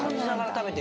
食べてて。